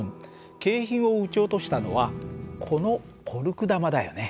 景品を撃ち落としたのはこのコルク弾だよね？